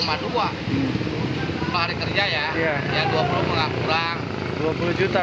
pada hari kerja ya rp dua puluh gak kurang